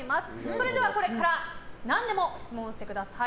それでは、これから何でも質問してください。